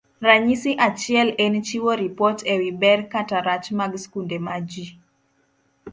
Ranyisi achiel en chiwo ripot e wi ber kata rach mag skunde ma ji